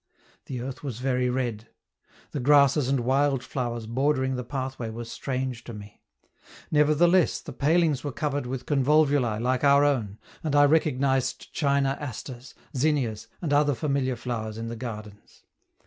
The earth was very red. The grasses and wild flowers bordering the pathway were strange to me; nevertheless, the palings were covered with convolvuli like our own, and I recognized china asters, zinnias, and other familiar flowers in the gardens.